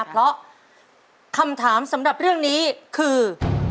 เพราะคำถามสำหรับเรื่องนี้คือ